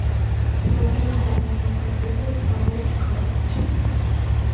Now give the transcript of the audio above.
Ցողունը խողովակաձև է, թավոտ, կարմիր։